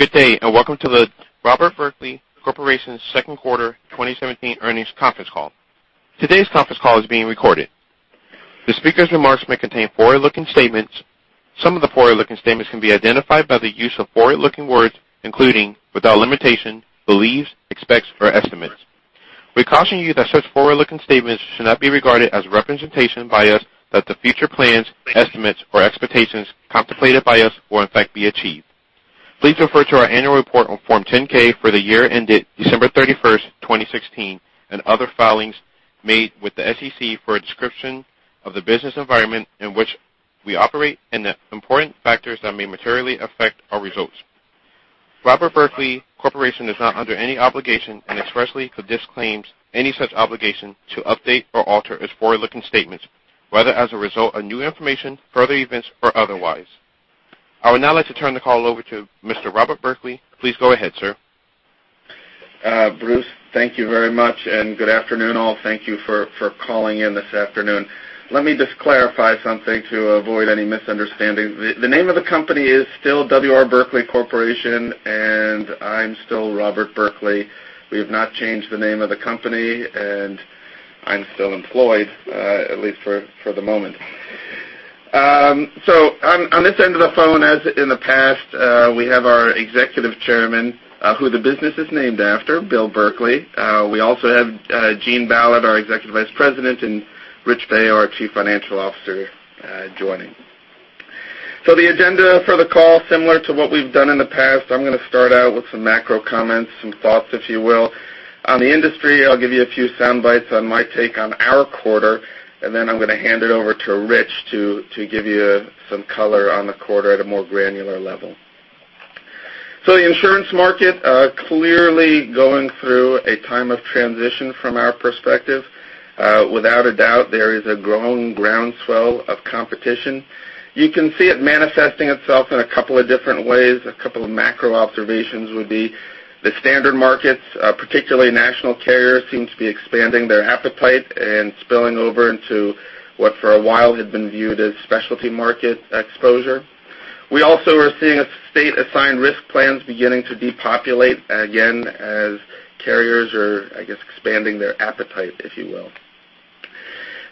Good day, and welcome to the W. R. Berkley Corporation's second quarter 2017 earnings conference call. Today's conference call is being recorded. The speaker's remarks may contain forward-looking statements. Some of the forward-looking statements can be identified by the use of forward-looking words, including, without limitation, believes, expects, or estimates. We caution you that such forward-looking statements should not be regarded as representation by us that the future plans, estimates, or expectations contemplated by us will in fact be achieved. Please refer to our annual report on Form 10-K for the year ended December 31, 2016, and other filings made with the SEC for a description of the business environment in which we operate and the important factors that may materially affect our results. W. R. Berkley Corporation is not under any obligation and expressly disclaims any such obligation to update or alter its forward-looking statements, whether as a result of new information, further events, or otherwise. I would now like to turn the call over to Mr. Robert Berkley. Please go ahead, sir. Bruce, thank you very much, and good afternoon, all. Thank you for calling in this afternoon. Let me just clarify something to avoid any misunderstanding. The name of the company is still W. R. Berkley Corporation, and I'm still Robert Berkley. We have not changed the name of the company, and I'm still employed, at least for the moment. On this end of the phone, as in the past, we have our Executive Chairman, who the business is named after, Bill Berkley. We also have Gene Ballard, our Executive Vice President, and Rich Baio, our Chief Financial Officer, joining. The agenda for the call, similar to what we've done in the past, I'm going to start out with some macro comments, some thoughts, if you will, on the industry. I'll give you a few sound bites on my take on our quarter, and then I'm going to hand it over to Rich to give you some color on the quarter at a more granular level. The insurance market clearly going through a time of transition from our perspective. Without a doubt, there is a growing groundswell of competition. You can see it manifesting itself in a couple of different ways. A couple of macro observations would be the standard markets, particularly national carriers, seem to be expanding their appetite and spilling over into what for a while had been viewed as specialty market exposure. We also are seeing state-assigned risk plans beginning to depopulate again as carriers are, I guess, expanding their appetite, if you will.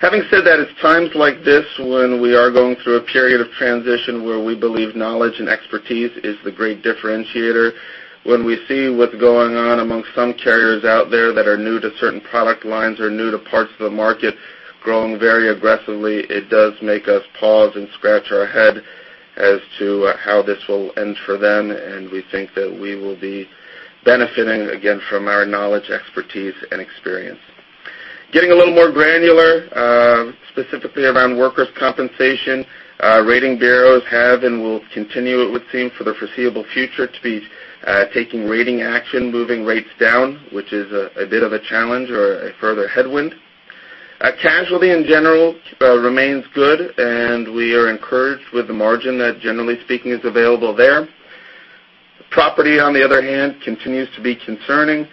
Having said that, it's times like this when we are going through a period of transition where we believe knowledge and expertise is the great differentiator. When we see what's going on amongst some carriers out there that are new to certain product lines or new to parts of the market growing very aggressively, it does make us pause and scratch our head as to how this will end for them. We think that we will be benefiting, again, from our knowledge, expertise, and experience. Getting a little more granular, specifically around workers' compensation, rating bureaus have and will continue, it would seem, for the foreseeable future to be taking rating action, moving rates down, which is a bit of a challenge or a further headwind. Casualty, in general, remains good. We are encouraged with the margin that, generally speaking, is available there. Property, on the other hand, continues to be concerning.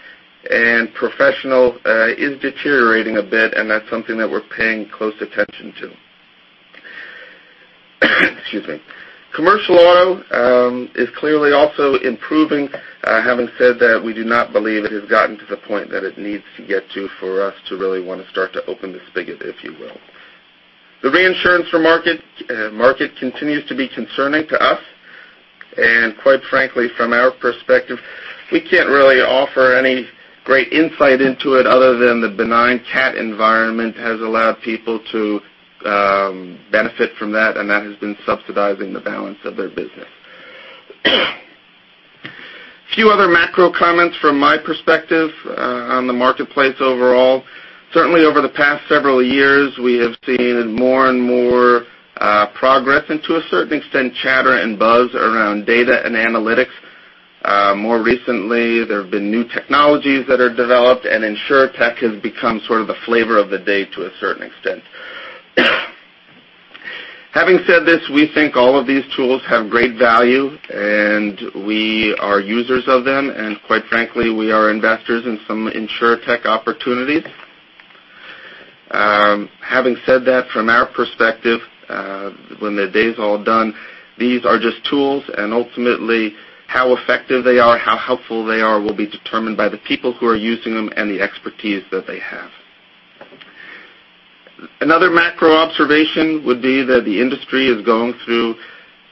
Professional is deteriorating a bit, and that's something that we're paying close attention to. Excuse me. Commercial auto is clearly also improving. Having said that, we do not believe it has gotten to the point that it needs to get to for us to really want to start to open the spigot, if you will. The reinsurance for market continues to be concerning to us. Quite frankly, from our perspective, we can't really offer any great insight into it other than the benign CAT environment has allowed people to benefit from that, and that has been subsidizing the balance of their business. Few other macro comments from my perspective on the marketplace overall. Certainly over the past several years, we have seen more and more progress into a certain extent, chatter and buzz around data and analytics. More recently, there have been new technologies that are developed. InsurTech has become sort of the flavor of the day to a certain extent. Having said this, we think all of these tools have great value. We are users of them. Quite frankly, we are investors in some InsurTech opportunities. Having said that, from our perspective, when the day's all done, these are just tools, and ultimately, how effective they are, how helpful they are will be determined by the people who are using them and the expertise that they have. Another macro observation would be that the industry is going through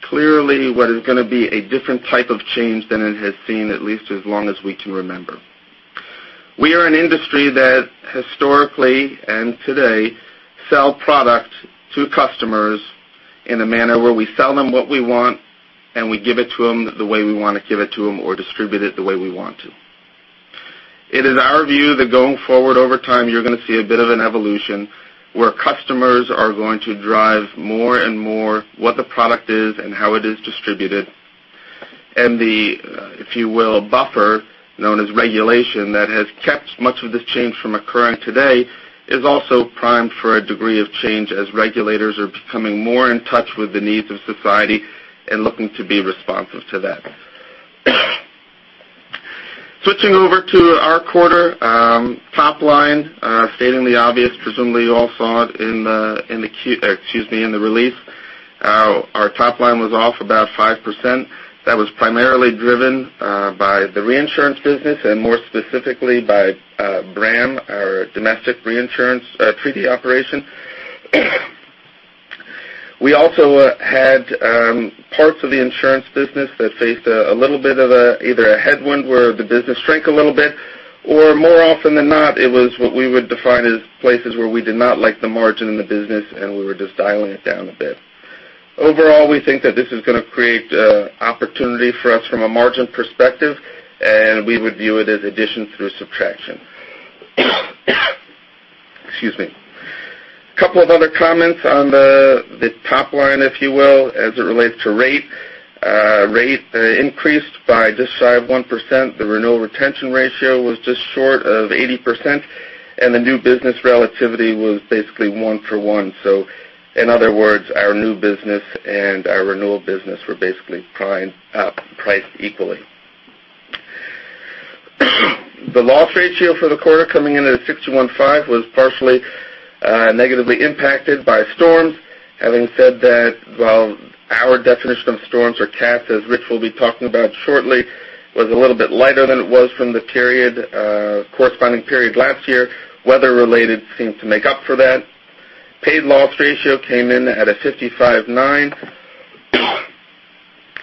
clearly what is going to be a different type of change than it has seen, at least as long as we can remember. We are an industry that historically and today sell product to customers in a manner where we sell them what we want. We give it to them the way we want to give it to them or distribute it the way we want to. It is our view that going forward over time, you're going to see a bit of an evolution where customers are going to drive more and more what the product is and how it is distributed. The, if you will, buffer known as regulation that has kept much of this change from occurring today is also primed for a degree of change as regulators are becoming more in touch with the needs of society and looking to be responsive to that. Switching over to our quarter. Top line, stating the obvious. Presumably you all saw it in the release. Our top line was off about 5%. That was primarily driven by the reinsurance business and more specifically by BRAM, our domestic reinsurance treaty operation. We also had parts of the insurance business that faced a little bit of either a headwind where the business shrank a little bit or more often than not, it was what we would define as places where we did not like the margin in the business and we were just dialing it down a bit. Overall, we think that this is going to create opportunity for us from a margin perspective, and we would view it as addition through subtraction. Excuse me. Couple of other comments on the top line, if you will, as it relates to rate. Rate increased by just shy of 1%. The renewal retention ratio was just short of 80%, and the new business relativity was basically one for one. In other words, our new business and our renewal business were basically priced equally. The loss ratio for the quarter coming in at 61.5% was partially negatively impacted by storms. Having said that, while our definition of storms or CAT, as Rich will be talking about shortly, was a little bit lighter than it was from the corresponding period last year, weather related seemed to make up for that. Paid loss ratio came in at a 55.9%.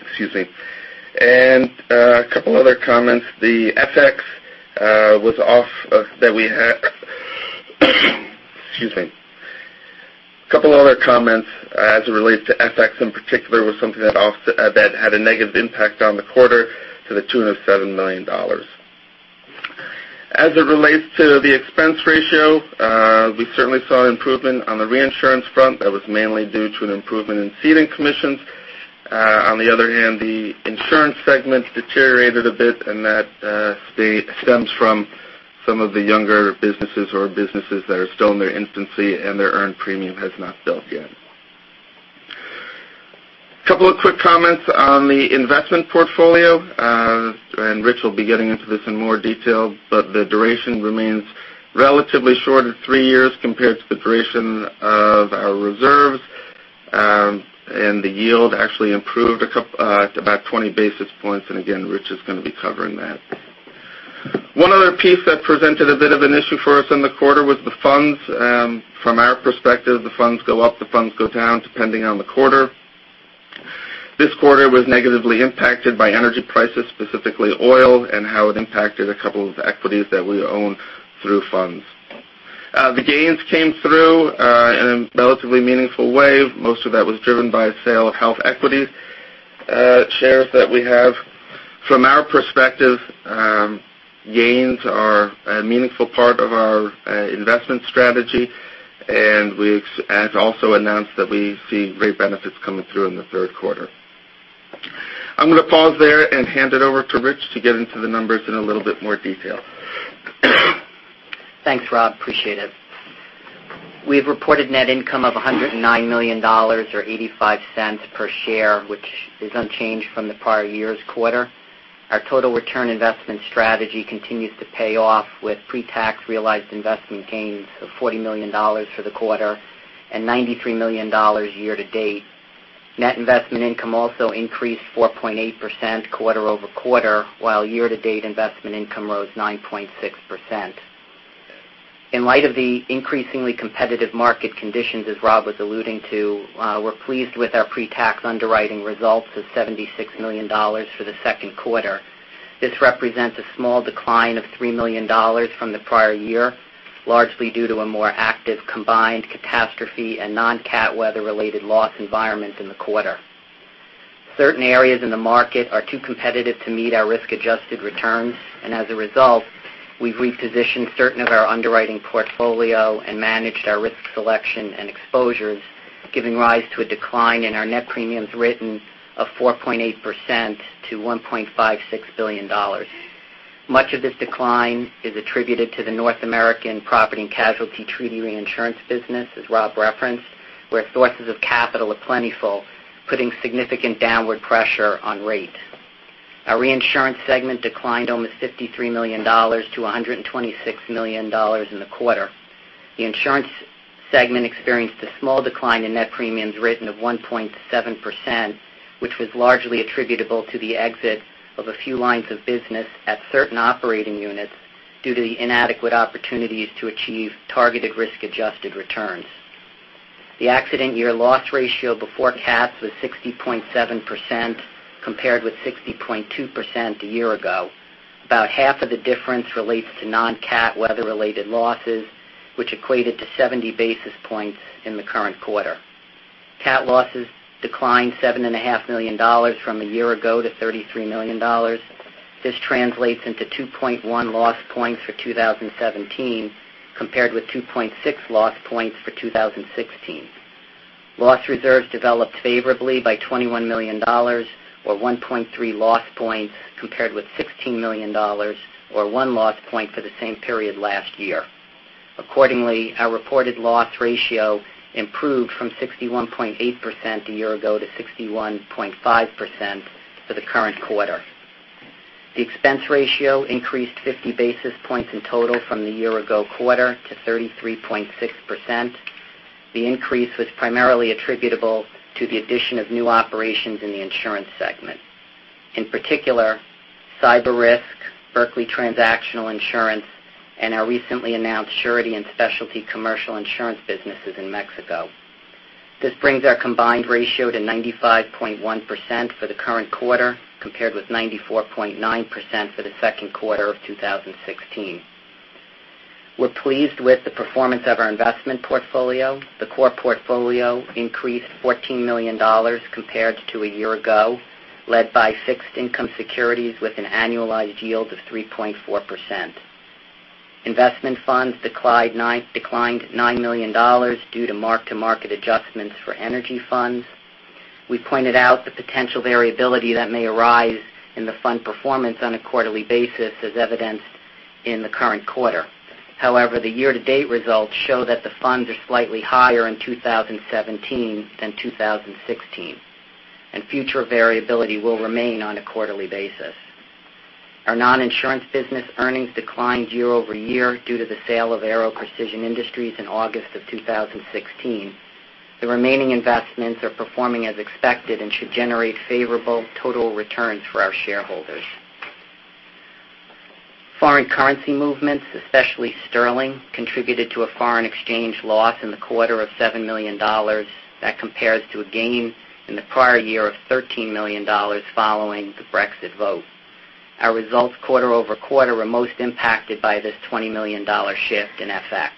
Excuse me. A couple other comments as it relates to FX in particular, was something that had a negative impact on the quarter to the tune of $7 million. As it relates to the expense ratio, we certainly saw an improvement on the reinsurance front that was mainly due to an improvement in ceding commissions. The insurance segment deteriorated a bit and that stems from some of the younger businesses or businesses that are still in their infancy and their earned premium has not built yet. Couple of quick comments on the investment portfolio, and Rich will be getting into this in more detail, but the duration remains relatively short at three years compared to the duration of our reserves. The yield actually improved at about 20 basis points, and again, Rich is going to be covering that. One other piece that presented a bit of an issue for us in the quarter was the funds. From our perspective, the funds go up, the funds go down depending on the quarter. This quarter was negatively impacted by energy prices, specifically oil and how it impacted a couple of equities that we own through funds. The gains came through in a relatively meaningful way. Most of that was driven by sale of HealthEquity shares that we have. From our perspective, gains are a meaningful part of our investment strategy and we have also announced that we see great benefits coming through in the third quarter. I'm going to pause there and hand it over to Rich to get into the numbers in a little bit more detail. Thanks, Rob. Appreciate it. We've reported net income of $109 million or $0.85 per share, which is unchanged from the prior year's quarter. Our total return investment strategy continues to pay off with pretax realized investment gains of $40 million for the quarter and $93 million year to date. Net investment income also increased 4.8% quarter-over-quarter, while year to date investment income rose 9.6%. In light of the increasingly competitive market conditions, as Rob was alluding to, we're pleased with our pretax underwriting results of $76 million for the second quarter. This represents a small decline of $3 million from the prior year, largely due to a more active combined catastrophe and non-CAT weather related loss environment in the quarter. Certain areas in the market are too competitive to meet our risk adjusted returns. As a result, we've repositioned certain of our underwriting portfolio and managed our risk selection and exposures, giving rise to a decline in our net premiums written of 4.8% to $1.56 billion. Much of this decline is attributed to the North American property and casualty treaty reinsurance business, as Rob referenced, where sources of capital are plentiful, putting significant downward pressure on rates. Our reinsurance segment declined almost $53 million to $126 million in the quarter. The insurance segment experienced a small decline in net premiums written of 1.7%, which was largely attributable to the exit of a few lines of business at certain operating units due to the inadequate opportunities to achieve targeted risk adjusted returns. The accident year loss ratio before CATs was 60.7%, compared with 60.2% a year ago. About half of the difference relates to non-CAT weather related losses, which equated to 70 basis points in the current quarter. CAT losses declined $7.5 million from a year ago to $33 million. This translates into 2.1 loss points for 2017 compared with 2.6 loss points for 2016. Loss reserves developed favorably by $21 million or 1.3 loss points compared with $16 million or one loss point for the same period last year. Accordingly, our reported loss ratio improved from 61.8% a year ago to 61.5% for the current quarter. The expense ratio increased 50 basis points in total from the year-ago quarter to 33.6%. The increase was primarily attributable to the addition of new operations in the insurance segment. In particular, cyber risk, Berkley Transactional Insurance, and our recently announced surety and specialty commercial insurance businesses in Mexico. This brings our combined ratio to 95.1% for the current quarter, compared with 94.9% for the second quarter of 2016. We're pleased with the performance of our investment portfolio. The core portfolio increased $14 million compared to a year ago, led by fixed income securities with an annualized yield of 3.4%. Investment funds declined $9 million due to mark-to-market adjustments for energy funds. We pointed out the potential variability that may arise in the fund performance on a quarterly basis, as evidenced in the current quarter. However, the year-to-date results show that the funds are slightly higher in 2017 than 2016, and future variability will remain on a quarterly basis. Our non-insurance business earnings declined year-over-year due to the sale of Aero Precision Industries in August of 2016. The remaining investments are performing as expected and should generate favorable total returns for our shareholders. Foreign currency movements, especially sterling, contributed to a foreign exchange loss in the quarter of $7 million. That compares to a gain in the prior year of $13 million following the Brexit vote. Our results quarter-over-quarter were most impacted by this $20 million shift in FX.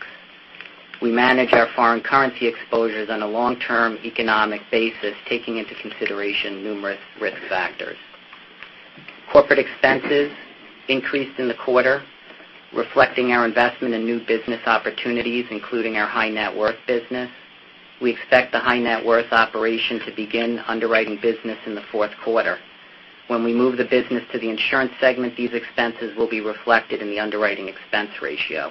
We manage our foreign currency exposures on a long-term economic basis, taking into consideration numerous risk factors. Corporate expenses increased in the quarter, reflecting our investment in new business opportunities, including our high net worth business. We expect the high net worth operation to begin underwriting business in the fourth quarter. When we move the business to the insurance segment, these expenses will be reflected in the underwriting expense ratio.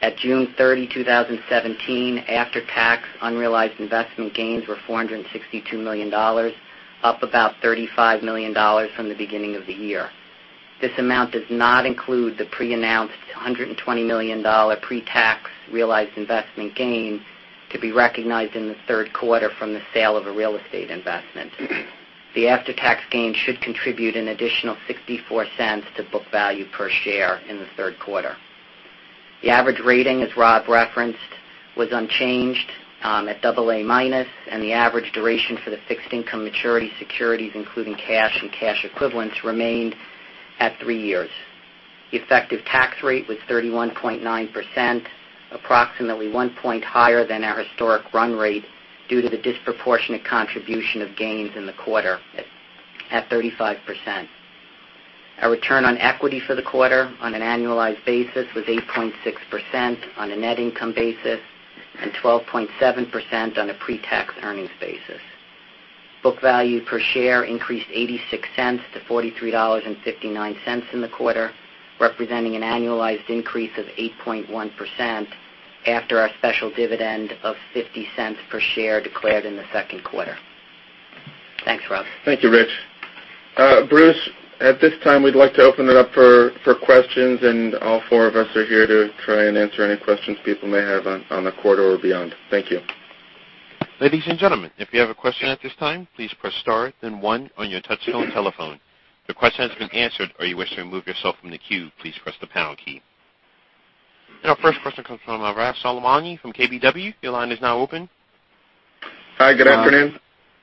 At June 30, 2017, after-tax unrealized investment gains were $462 million, up about $35 million from the beginning of the year. This amount does not include the pre-announced $120 million pre-tax realized investment gain to be recognized in the third quarter from the sale of a real estate investment. The after-tax gain should contribute an additional $0.64 to book value per share in the third quarter. The average rating, as Rob referenced, was unchanged at AA-, and the average duration for the fixed income maturity securities, including cash and cash equivalents, remained at three years. The effective tax rate was 31.9%, approximately one point higher than our historic run rate due to the disproportionate contribution of gains in the quarter at 35%. Our return on equity for the quarter on an annualized basis was 8.6% on a net income basis and 12.7% on a pre-tax earnings basis. Book value per share increased $0.86 to $43.59 in the quarter, representing an annualized increase of 8.1% after our special dividend of $0.50 per share declared in the second quarter. Thanks, Rob. Thank you, Rich. Bruce, at this time, we'd like to open it up for questions. All four of us are here to try and answer any questions people may have on the quarter or beyond. Thank you. Ladies and gentlemen, if you have a question at this time, please press star then one on your touchtone telephone. If your question has been answered or you wish to remove yourself from the queue, please press the pound key. Our first question comes from Arash Soleimani from KBW. Your line is now open. Hi, good afternoon.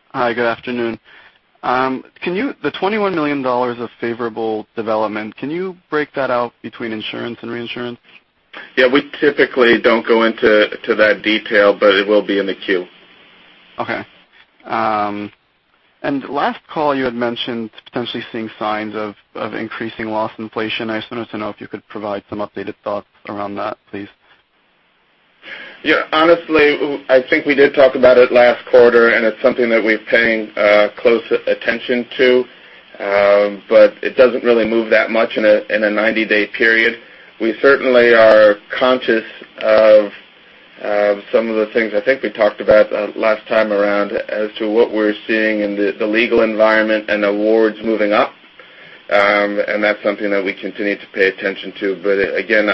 Hi, good afternoon. The $21 million of favorable development, can you break that out between insurance and reinsurance? Yeah, we typically don't go into that detail, but it will be in the Q. Okay. Last call you had mentioned potentially seeing signs of increasing loss inflation. I just wanted to know if you could provide some updated thoughts around that, please. Yeah. Honestly, I think we did talk about it last quarter. It's something that we're paying close attention to. It doesn't really move that much in a 90-day period. We certainly are conscious of some of the things I think we talked about last time around as to what we're seeing in the legal environment and awards moving up. That's something that we continue to pay attention to. Again,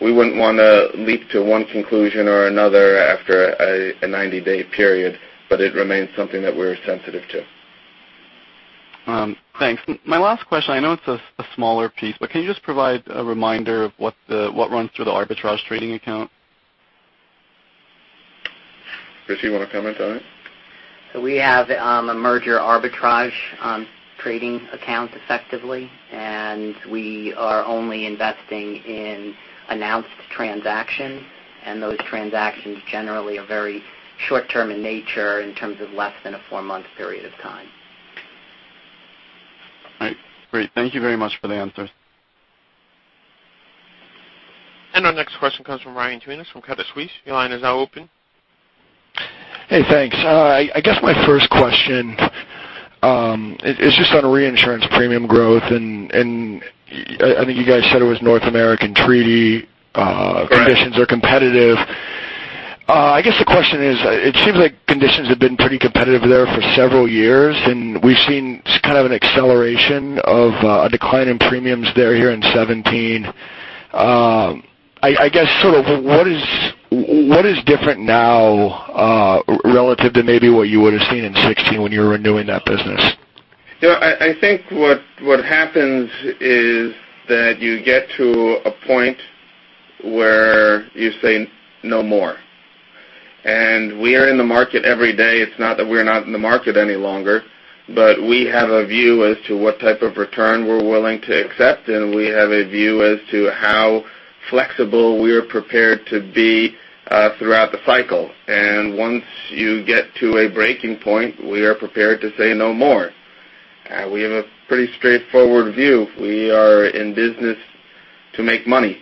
we wouldn't want to leap to one conclusion or another after a 90-day period. It remains something that we're sensitive to. Thanks. My last question, I know it's a smaller piece, but can you just provide a reminder of what runs through the arbitrage trading account? Rich, you want to comment on it? We have a merger arbitrage trading account effectively, and we are only investing in announced transactions, and those transactions generally are very short-term in nature in terms of less than a four-month period of time. All right. Great. Thank you very much for the answers. Our next question comes from Ryan Tunis from Credit Suisse. Your line is now open Hey, thanks. I guess my first question is just on reinsurance premium growth, and I think you guys said it was North American treaty- Correct conditions are competitive. I guess the question is, it seems like conditions have been pretty competitive there for several years, and we've seen kind of an acceleration of a decline in premiums there here in 2017. I guess, what is different now relative to maybe what you would've seen in 2016 when you were renewing that business? I think what happens is that you get to a point where you say no more. We are in the market every day. It's not that we're not in the market any longer, but we have a view as to what type of return we're willing to accept, and we have a view as to how flexible we're prepared to be throughout the cycle. Once you get to a breaking point, we are prepared to say no more. We have a pretty straightforward view. We are in business to make money,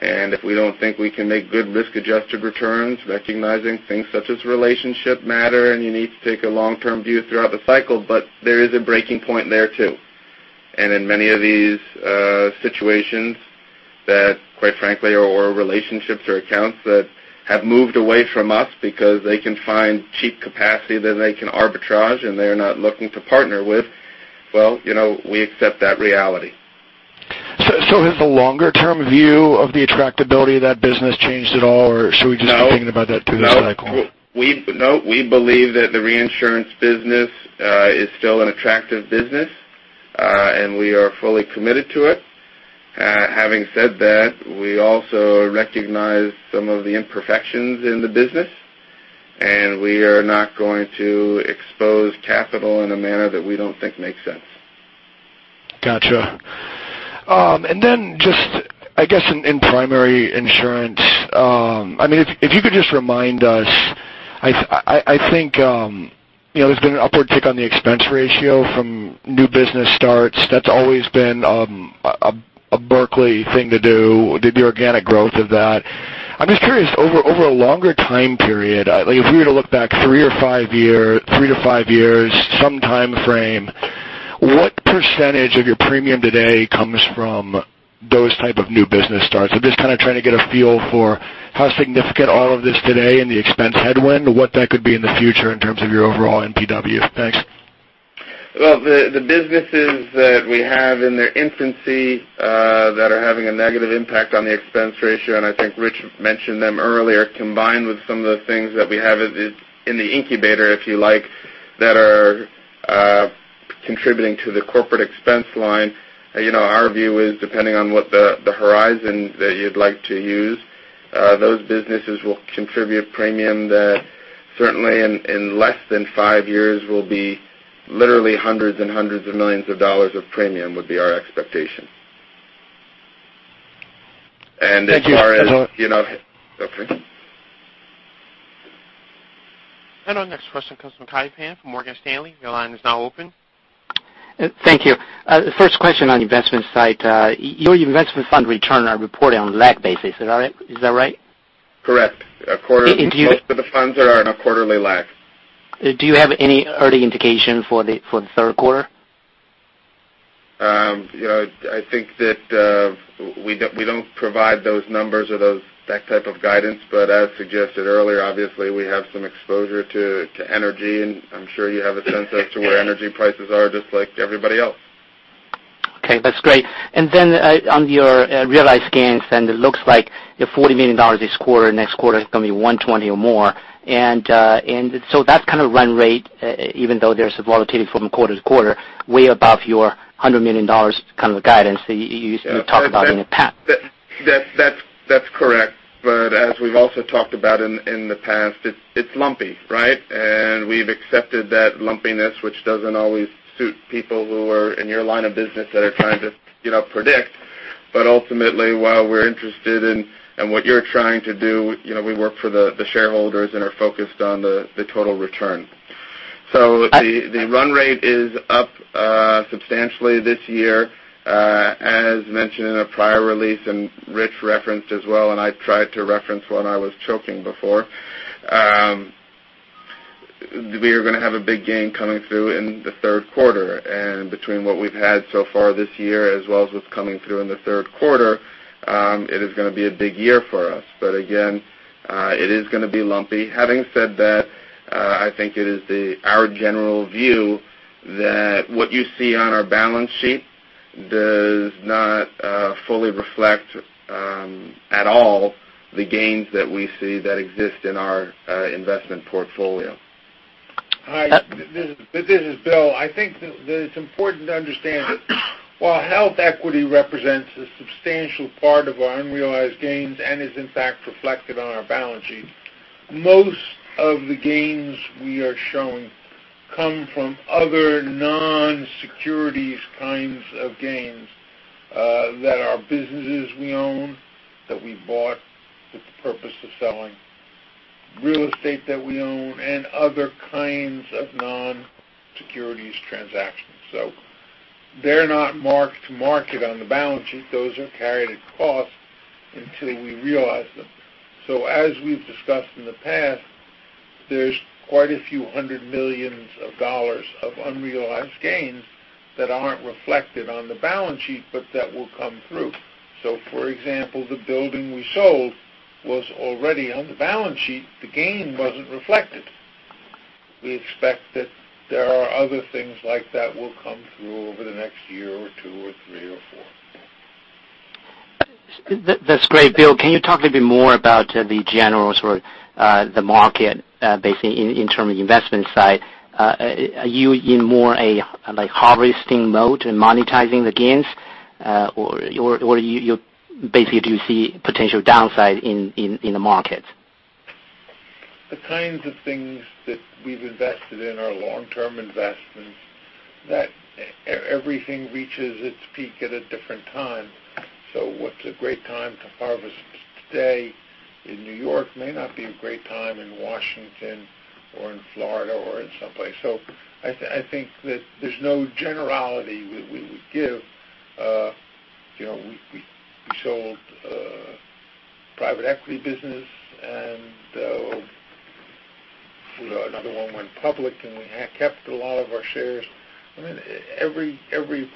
and if we don't think we can make good risk-adjusted returns, recognizing things such as relationship matter, and you need to take a long-term view throughout the cycle, but there is a breaking point there, too. In many of these situations that, quite frankly, are relationships or accounts that have moved away from us because they can find cheap capacity that they can arbitrage, and they're not looking to partner with, well, we accept that reality. Has the longer-term view of the attractability of that business changed at all or should we just-? No be thinking about that through the cycle? No. We believe that the reinsurance business is still an attractive business, and we are fully committed to it. Having said that, we also recognize some of the imperfections in the business, and we are not going to expose capital in a manner that we don't think makes sense. Got you. Then just, I guess, in primary insurance, if you could just remind us, I think, there's been an upward tick on the expense ratio from new business starts. That's always been a Berkley thing to do, the organic growth of that. I'm just curious, over a longer time period, if we were to look back three to five years, some time frame, what % of your premium today comes from those type of new business starts? I'm just kind of trying to get a feel for how significant all of this today and the expense headwind, what that could be in the future in terms of your overall NPW. Thanks. Well, the businesses that we have in their infancy, that are having a negative impact on the expense ratio, and I think Rich mentioned them earlier, combined with some of the things that we have in the incubator, if you like, that are contributing to the corporate expense line. Our view is depending on what the horizon that you'd like to use, those businesses will contribute premium that certainly in less than five years will be literally hundreds and hundreds of millions of dollars of premium would be our expectation. Thank you. That's all. Okay. Our next question comes from Kai Pan, from Morgan Stanley. Your line is now open. Thank you. First question on investment side. Your investment fund return are reported on lag basis. Is that right? Correct. Most of the funds are on a quarterly lag. Do you have any early indication for the third quarter? I think that we don't provide those numbers or that type of guidance, as suggested earlier, obviously, we have some exposure to energy, and I'm sure you have a sense as to where energy prices are, just like everybody else. Okay, that's great. On your realized gains, and it looks like you have $40 million this quarter. Next quarter is going to be $120 or more. So that kind of run rate, even though there's a volatility from quarter to quarter, way above your $100 million kind of guidance that you used to talk about in the past. That's correct. As we've also talked about in the past, it's lumpy, right? We've accepted that lumpiness, which doesn't always suit people who are in your line of business that are trying to predict. Ultimately, while we're interested in what you're trying to do, we work for the shareholders and are focused on the total return. The run rate is up substantially this year. As mentioned in a prior release, and Rich referenced as well, and I tried to reference when I was choking before, we are going to have a big gain coming through in the third quarter. Between what we've had so far this year, as well as what's coming through in the third quarter, it is going to be a big year for us. Again, it is going to be lumpy. Having said that, I think it is our general view that what you see on our balance sheet does not fully reflect at all the gains that we see that exist in our investment portfolio. Hi. This is Bill. I think that it's important to understand, while HealthEquity represents a substantial part of our unrealized gains and is in fact reflected on our balance sheet, most of the gains we are showing come from other non-securities kinds of gains, that are businesses we own, that we bought with the purpose of selling. Real estate that we own and other kinds of non transactions. They're not marked to market on the balance sheet. Those are carried at cost until we realize them. As we've discussed in the past, there's quite a few hundred millions of dollars of unrealized gains that aren't reflected on the balance sheet, but that will come through. For example, the building we sold was already on the balance sheet. The gain wasn't reflected. We expect that there are other things like that will come through over the next year or two or three or four. That's great. Bill, can you talk a little bit more about the general, the market, basically in terms of investment side. Are you in more a harvesting mode and monetizing the gains or basically, do you see potential downside in the market? The kinds of things that we've invested in are long-term investments, that everything reaches its peak at a different time. What's a great time to harvest today in New York may not be a great time in Washington or in Florida or in someplace. I think that there's no generality we would give. We sold a private equity business, and another one went public, and we kept a lot of our shares. Every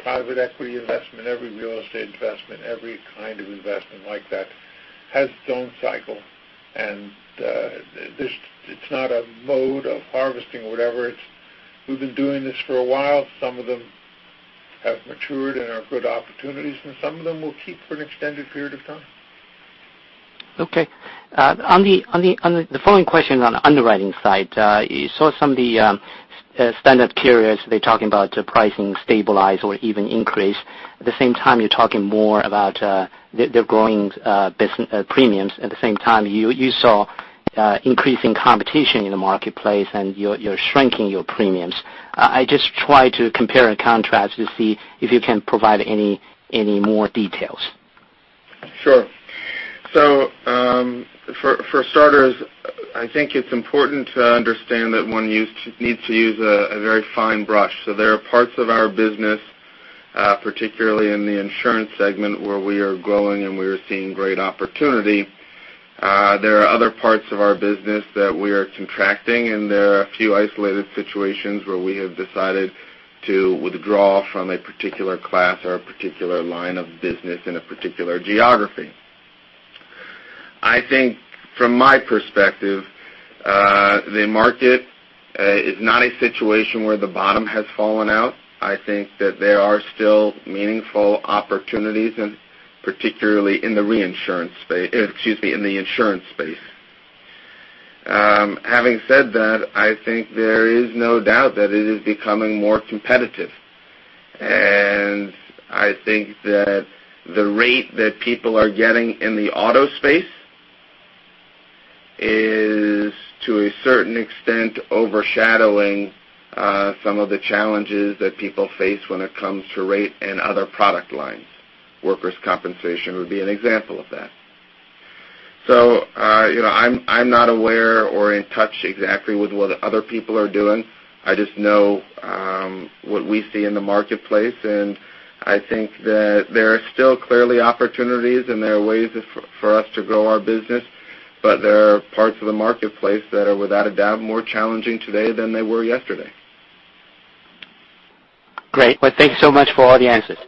private equity investment, every real estate investment, every kind of investment like that has its own cycle. It's not a mode of harvesting or whatever. We've been doing this for a while. Some of them have matured and are good opportunities, and some of them we'll keep for an extended period of time. Okay. The following question is on the underwriting side. You saw some of the standard carriers, they're talking about pricing stabilize or even increase. At the same time, you're talking more about their growing premiums. At the same time, you saw increasing competition in the marketplace and you're shrinking your premiums. I just try to compare and contrast to see if you can provide any more details. Sure. For starters, I think it's important to understand that one needs to use a very fine brush. There are parts of our business, particularly in the insurance segment, where we are growing and we are seeing great opportunity. There are other parts of our business that we are contracting, and there are a few isolated situations where we have decided to withdraw from a particular class or a particular line of business in a particular geography. I think from my perspective, the market is not a situation where the bottom has fallen out. I think that there are still meaningful opportunities, and particularly in the insurance space. Having said that, I think there is no doubt that it is becoming more competitive, and I think that the rate that people are getting in the auto space is, to a certain extent, overshadowing some of the challenges that people face when it comes to rate and other product lines. Workers' compensation would be an example of that. I'm not aware or in touch exactly with what other people are doing. I just know what we see in the marketplace, and I think that there are still clearly opportunities and there are ways for us to grow our business, but there are parts of the marketplace that are without a doubt, more challenging today than they were yesterday. Great. Well, thank you so much for all the answers.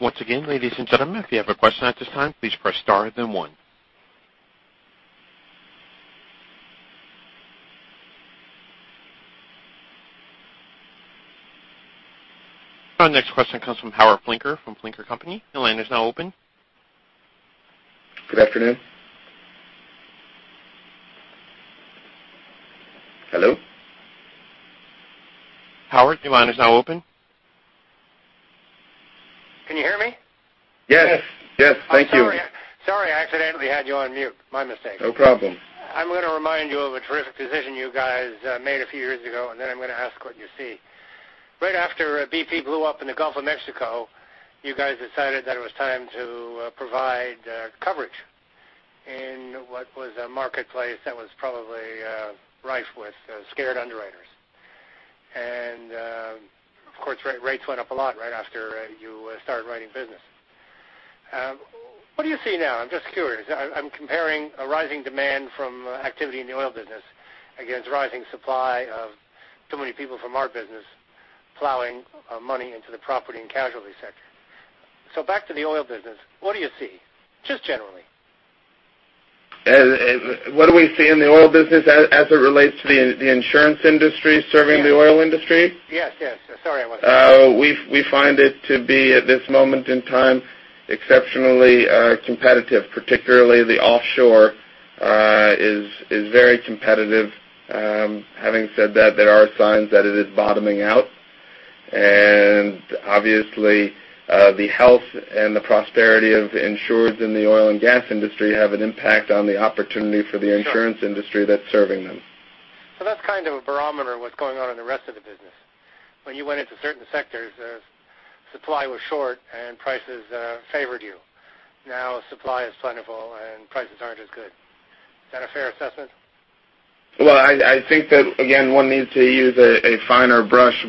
Once again, ladies and gentlemen, if you have a question at this time, please press star then one. Our next question comes from Howard Flinker from Flinker & Company. Your line is now open. Good afternoon. Hello? Howard, your line is now open. Can you hear me? Yes. Thank you. Sorry, I accidentally had you on mute. My mistake. No problem. I'm going to remind you of a terrific decision you guys made a few years ago, then I'm going to ask what you see. Right after BP blew up in the Gulf of Mexico, you guys decided that it was time to provide coverage in what was a marketplace that was probably rife with scared underwriters. Of course, rates went up a lot right after you started writing business. What do you see now? I'm just curious. I'm comparing a rising demand from activity in the oil business against rising supply of too many people from our business plowing money into the property and casualty sector. Back to the oil business, what do you see? Just generally. What do we see in the oil business as it relates to the insurance industry serving the oil industry? Yes. Sorry. We find it to be, at this moment in time, exceptionally competitive, particularly the offshore is very competitive. Having said that, there are signs that it is bottoming out, and obviously, the health and the prosperity of insurers in the oil and gas industry have an impact on the opportunity for the insurance industry that's serving them. That's kind of a barometer of what's going on in the rest of the business. When you went into certain sectors, supply was short and prices favored you. Now supply is plentiful and prices aren't as good. Is that a fair assessment? I think that, again, one needs to use a finer brush.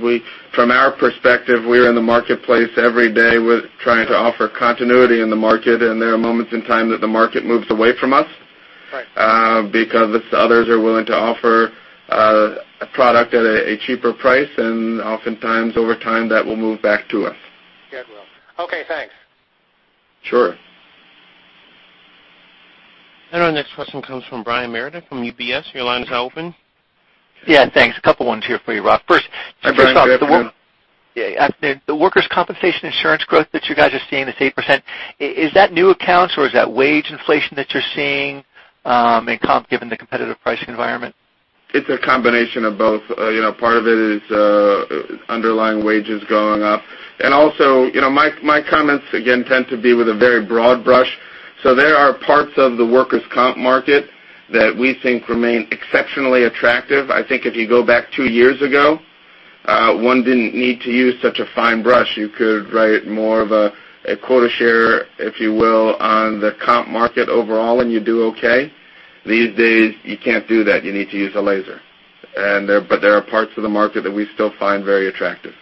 From our perspective, we are in the marketplace every day with trying to offer continuity in the market, and there are moments in time that the market moves away from us. Right because others are willing to offer a product at a cheaper price, and oftentimes over time, that will move back to us. It will. Okay, thanks. Sure. Our next question comes from Brian Meredith from UBS. Your line is open. Yeah, thanks. A couple ones here for you, Rob. Hi, Brian. Good afternoon. The workers' compensation insurance growth that you guys are seeing is 8%. Is that new accounts, or is that wage inflation that you're seeing in comp, given the competitive pricing environment? It's a combination of both. Part of it is underlying wages going up. Also, my comments, again, tend to be with a very broad brush. There are parts of the workers' comp market that we think remain exceptionally attractive. I think if you go back two years ago, one didn't need to use such a fine brush. You could write more of a quota share, if you will, on the comp market overall, and you do okay. These days, you can't do that. You need to use a laser. There are parts of the market that we still find very attractive.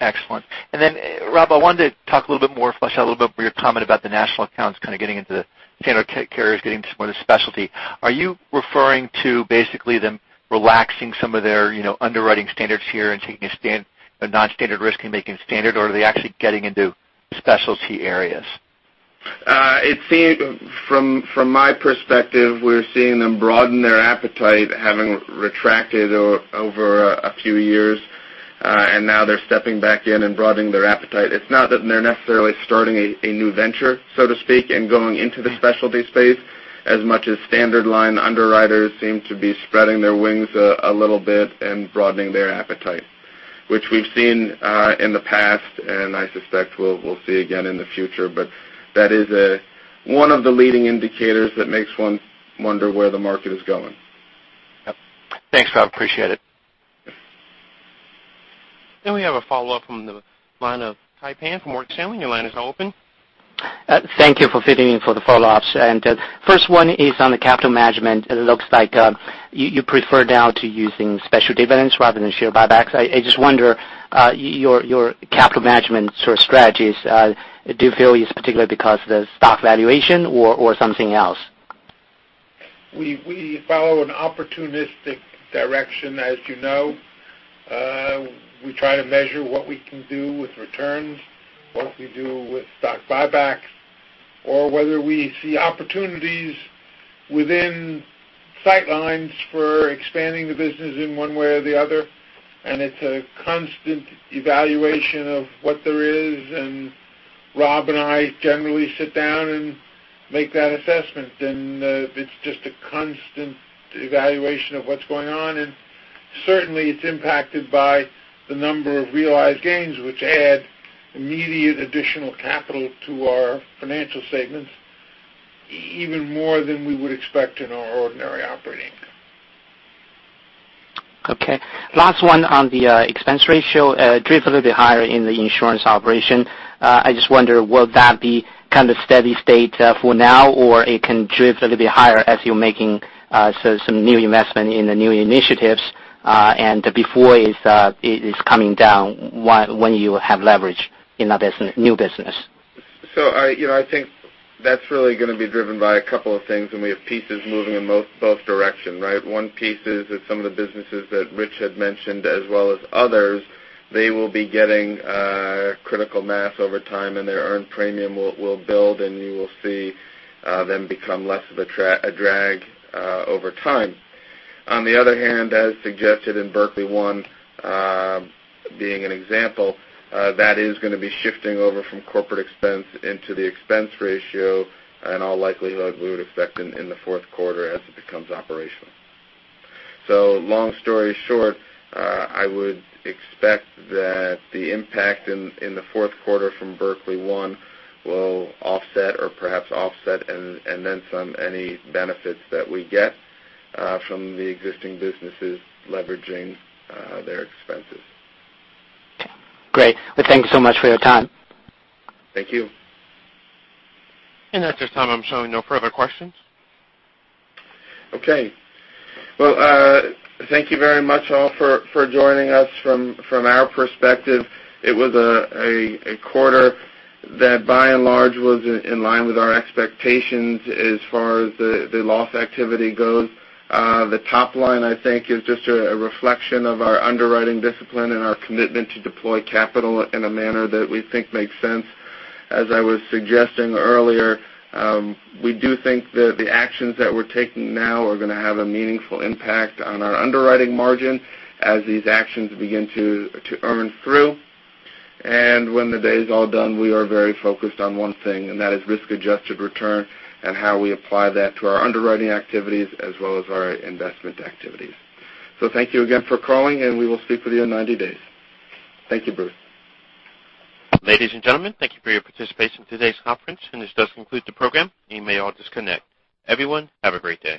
Excellent. Then, Rob, I wanted to talk a little bit more, flesh out a little bit more your comment about the national accounts kind of getting into the standard carriers, getting into more of the specialty. Are you referring to basically them relaxing some of their underwriting standards here and taking a non-standard risk and making it standard, or are they actually getting into specialty areas? From my perspective, we're seeing them broaden their appetite, having retracted over a few years, and now they're stepping back in and broadening their appetite. It's not that they're necessarily starting a new venture, so to speak, and going into the specialty space as much as standard line underwriters seem to be spreading their wings a little bit and broadening their appetite, which we've seen in the past, and I suspect we'll see again in the future. That is one of the leading indicators that makes one wonder where the market is going. Yep. Thanks, Rob. Appreciate it. We have a follow-up from the line of Kai Pan from Morgan Stanley. Your line is now open. Thank you for fitting in for the follow-ups. First one is on the capital management. It looks like you prefer now to using special dividends rather than share buybacks. I just wonder, your capital management sort of strategies, do you feel it's particularly because of the stock valuation or something else? We follow an opportunistic direction, as you know. We try to measure what we can do with returns, what we do with stock buybacks, or whether we see opportunities within sight lines for expanding the business in one way or the other. It's a constant evaluation of what there is, and Rob and I generally sit down and make that assessment. It's just a constant evaluation of what's going on, and certainly, it's impacted by the number of realized gains, which add immediate additional capital to our financial statements, even more than we would expect in our ordinary operating. Okay. Last one on the expense ratio. It drifts a little bit higher in the insurance operation. I just wonder, will that be kind of steady state for now, or it can drift a little bit higher as you're making some new investment in the new initiatives, and before it's coming down when you have leverage in that new business? I think that's really going to be driven by a couple of things, and we have pieces moving in both directions, right? One piece is that some of the businesses that Rich had mentioned, as well as others, they will be getting critical mass over time, and their earned premium will build, and you will see them become less of a drag over time. On the other hand, as suggested in Berkley One, being an example, that is going to be shifting over from corporate expense into the expense ratio, and all likelihood, we would expect in the fourth quarter as it becomes operational. Long story short, I would expect that the impact in the fourth quarter from Berkley One will offset or perhaps offset and then some, any benefits that we get from the existing businesses leveraging their expenses. Okay, great. Thank you so much for your time. Thank you. At this time, I'm showing no further questions. Okay. Well, thank you very much all for joining us. From our perspective, it was a quarter that by and large was in line with our expectations as far as the loss activity goes. The top line, I think, is just a reflection of our underwriting discipline and our commitment to deploy capital in a manner that we think makes sense. As I was suggesting earlier, we do think that the actions that we're taking now are going to have a meaningful impact on our underwriting margin as these actions begin to earn through. When the day is all done, we are very focused on one thing, and that is risk-adjusted return and how we apply that to our underwriting activities as well as our investment activities. Thank you again for calling, and we will speak with you in 90 days. Thank you, Bruce. Ladies and gentlemen, thank you for your participation in today's conference. This does conclude the program. You may all disconnect. Everyone, have a great day.